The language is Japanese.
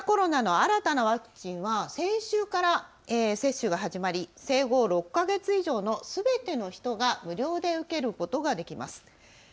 新型コロナの新たなワクチンは先週から接種が始まり生後６か月以上のすべての人が無料で受けることができます。